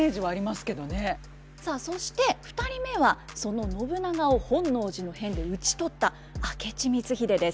さあそして２人目はその信長を本能寺の変で討ち取った明智光秀です。